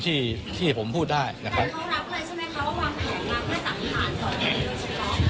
อ๋อนี่อยู่ในสำนวนไม่พูดดีกว่านะครับ